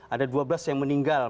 ada dua belas yang meninggal